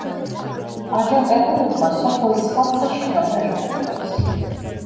აჯანყებულებმა სოფელ სხალთაში გადაინაცვლეს.